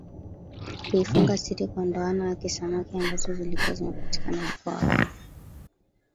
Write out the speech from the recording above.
kuifunga siri kwa ndoano yake samaki ambazo zilikuwa zimepatikana hapo awali